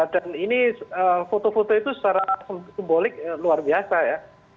dan ini foto foto itu secara simbolik luar biasa ya